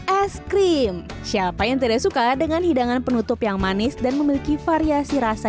es krim siapa yang tidak suka dengan hidangan penutup yang manis dan memiliki variasi rasa